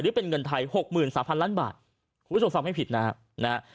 เป็นเงินไทยหกหมื่นสามพันล้านบาทคุณผู้ชมฟังไม่ผิดนะฮะนะฮะ